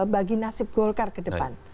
bagi nasib golkar ke depan